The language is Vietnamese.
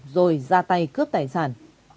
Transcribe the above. rồi ra tay cướp tài sản